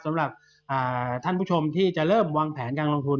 สำหรับท่านผู้ชมที่จะเริ่มวางแผนการลงทุน